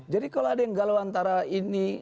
jadi kalau ada yang galau antara ini